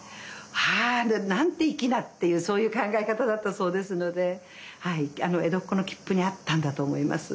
「はあ何て粋な」っていうそういう考え方だったそうですので江戸っ子のきっぷにあったんだと思います。